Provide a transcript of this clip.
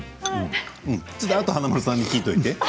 ちょっとあとは華丸さんに聞いておいて。